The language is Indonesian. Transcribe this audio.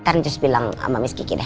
nanti jus bilang sama miss kiki deh